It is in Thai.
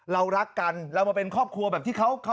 เรารักกันเรามาเป็นครอบครัวแบบที่เขา